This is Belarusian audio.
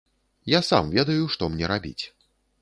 Я сам ведаю, што мне рабіць.